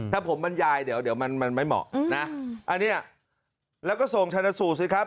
ถ้าผมบรรยายเดี๋ยวมันไม่เหมาะนะอันนี้แล้วก็ส่งชนะสูตรสิครับ